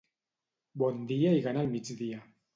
Bon dia i gana al migdia.